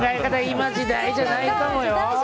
今、時代じゃないかもよ。